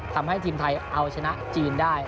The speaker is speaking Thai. ทำให้ทีมไทยเอาชนะจีนได้